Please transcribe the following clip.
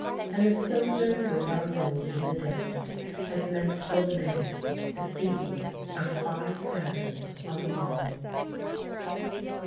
And a sojourn with our Lord in the desert has meant for many the feeding of five thousand on the morrow.